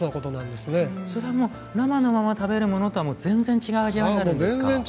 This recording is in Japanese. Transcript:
それは生のまま食べるものとは全然違う味わいになるんですか？